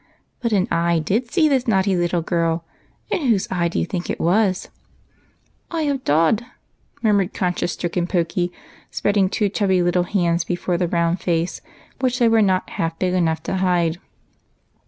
" But an eye did see this naughty little girl, and whose eye do you think it was ?"" Eye of Dod," murmured conscience stricken Pokey, spreading two chubby little hands before the round face, which they were not half big enough to hide.